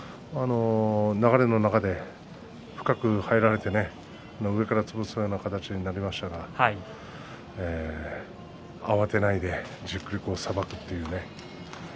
流れの中で深く入られて上から潰すような形になりましたが慌てないで、じっくりさばくというね。